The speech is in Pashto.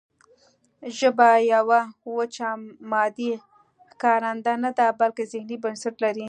ژبه یوه وچه مادي ښکارنده نه ده بلکې ذهني بنسټ لري